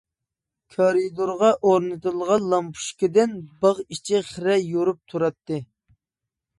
كارىدورغا ئورنىتىلغان لامپۇچكىدىن باغ ئىچى خىرە يورۇپ تۇراتتى.